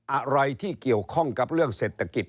อะไรที่เกี่ยวข้องกับเรื่องเศรษฐกิจ